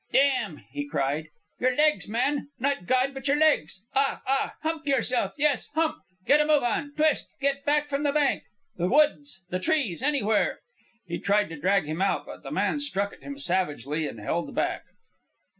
"Damn!" he cried. "Your legs, man! not God, but your legs! Ah! ah! hump yourself! Yes, hump! Get a move on! Twist! Get back from the bank! The woods, the trees, anywhere!" He tried to drag him out, but the man struck at him savagely and held back.